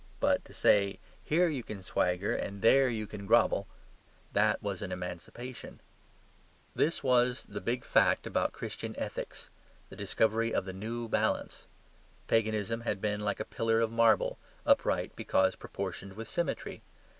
But to say, "Here you can swagger and there you can grovel" that was an emancipation. This was the big fact about Christian ethics; the discovery of the new balance. Paganism had been like a pillar of marble, upright because proportioned with symmetry.